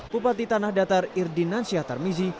bupati tanah datar irdin nansyah tarmizi